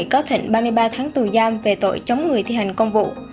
chống người thi hành công vụ